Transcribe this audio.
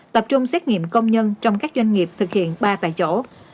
tập trung xét nghiệm công nhân trong các doanh nghiệp thực hiện ba tại chỗ